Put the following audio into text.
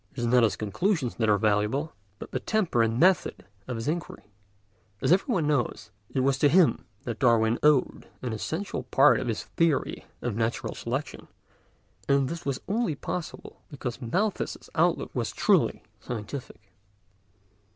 It is not his conclusions that are valuable, but the temper and method of his inquiry. As everyone knows, it was to him that Darwin owed an essential part of his theory of natural selection, and this was only possible because Malthus's outlook was truly scientific.